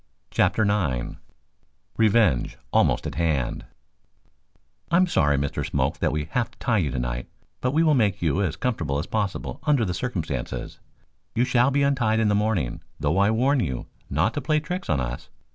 CHAPTER IX REVENGE ALMOST AT HAND "I'm sorry, Mr. Smoke, that we shall have to tie you tonight, but we will make you as comfortable as possible under the circumstances. You shall be untied in the morning, though I warn you not to play tricks on us.